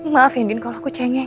maafin din kalau aku cengeng